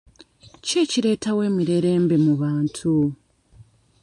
Ki ekireetawo emirerembe mu bantu?